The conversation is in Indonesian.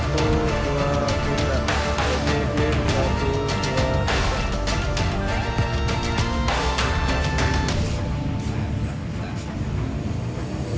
bahwa rokok smarket kembaliipping itu